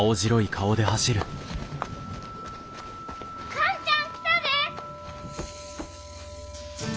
寛ちゃん来たで！